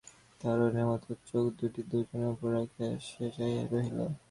তাহার হরিণের মতো চোখদুটি দুজনের উপর রাখিয়া সে চাহিয়া রহিল।